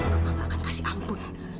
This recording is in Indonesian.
mama akan kasih ampun